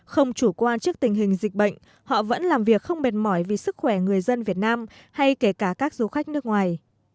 không chủ quan trước tình hình dịch bệnh họ vẫn làm việc không mệt mỏi vì sức khỏe người dân việt nam hay kể cả các du khách nước ngoài